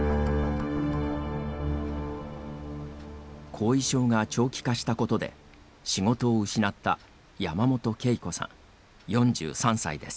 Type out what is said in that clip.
後遺症が長期化したことで仕事を失った山本恵子さん４３歳です。